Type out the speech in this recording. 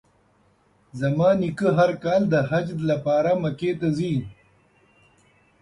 زما نیکه هر کال د حج لپاره مکې ته ځي.